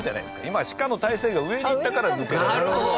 今鹿の体勢が上に行ったから抜け出せた。